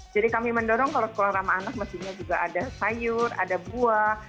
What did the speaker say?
kami mendorong kalau sekolah ramah anak mestinya juga ada sayur ada buah